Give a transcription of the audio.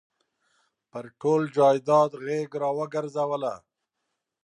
پر ټول جایداد غېږ را ورګرځوله.